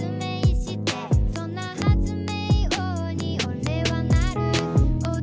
「そんな発明王にオレはなる」